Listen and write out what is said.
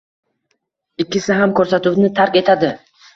ikkisi ham ko‘rsatuvni tark etadi.